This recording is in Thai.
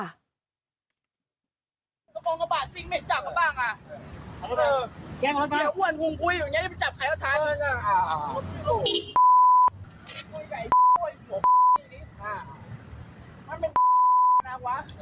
กระบะซิงไม่จับมาบ้าง่ะ